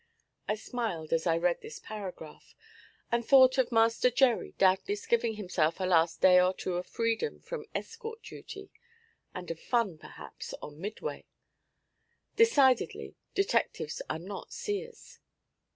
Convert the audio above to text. I smiled as I read this paragraph, and thought of Master 'Gerry' doubtless giving himself a last day or two of freedom from escort duty, and of fun, perhaps, on Midway. Decidedly, detectives are not seers.